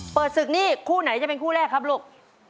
เปิดศึกนี่คู่ไหนจะเป็นคู่แรกครับลูก